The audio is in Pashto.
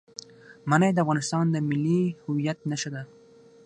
منی د افغانستان د ملي هویت نښه ده.